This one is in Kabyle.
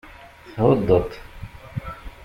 Thuddeḍ-t.